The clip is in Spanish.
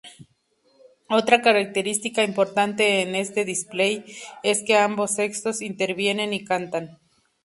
Otra característica importante en este display, es que ambos sexos intervienen y cantan.